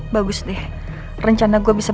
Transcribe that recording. bagus deh rencana gue bisa